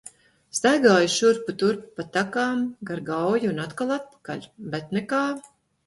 Staigāju šurpu turpu pa takām, gar Gauju un atkal atpakaļ, bet nekā.